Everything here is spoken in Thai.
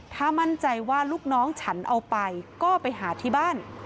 ถ้ามั่นใจว่าลูกน้องฉันเอาไปก็ไปหาที่บ้าน